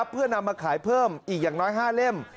เพื่อนำมาขายเพิ่มอีกอย่างน้อย๕เล่ม